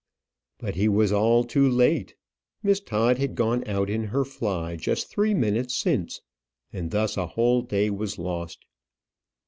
But he was all too late. Miss Todd had gone out in her fly just three minutes since; and thus a whole day was lost.